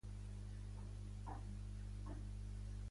Molta gent no s'adona que "anemone" té una "m" al mig.